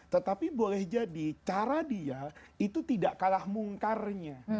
tetapi boleh jadi cara dia itu tidak kalah mungkarnya